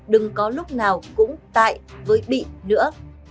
đừng có lúc nào cũng tại với bị nữa